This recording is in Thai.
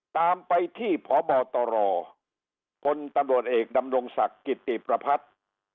ตามไปที่พบตรพลตำรวจเอกดำรงศักดิ์กิติประพัฒน์